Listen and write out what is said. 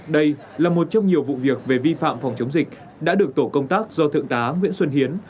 đây là một trong nhiều vụ việc về vi phạm phòng chống dịch đã được tổ công tác do thượng tá nguyễn xuân hiến